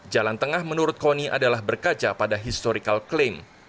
jalan tengah menurut koni adalah berkaca pada historical claim